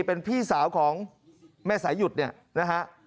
เป็นพี่สาวของแม่สายุดนะฮะ